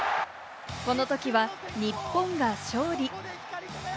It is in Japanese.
このときは日本が勝利。